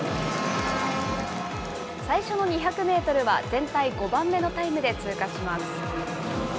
最初の２００メートルは、全体５番目のタイムで通過します。